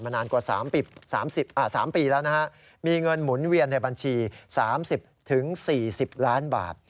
นานกว่า๓ปีแล้วนะฮะมีเงินหมุนเวียนในบัญชี๓๐๔๐ล้านบาท